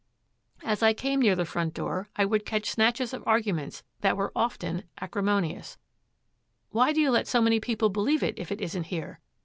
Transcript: As I came near the front door, I would catch snatches of arguments that were often acrimonious: 'Why do you let so many people believe it, if it isn't here?'